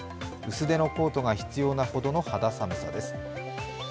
薄手のコートが必要なほどの肌寒さです。